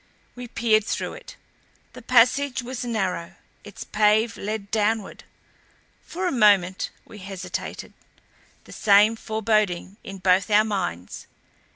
We peered through it. The passage was narrow; its pave led downward. For a moment we hesitated, the same foreboding in both our minds.